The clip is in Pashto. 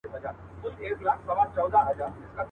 ملکې ته ډوډۍ راوړه نوکرانو.